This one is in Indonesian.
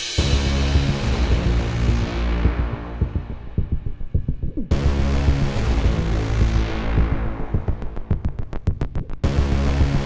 smoker bisa deh